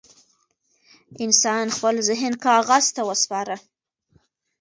انسان خپل ذهن کاغذ ته وسپاره.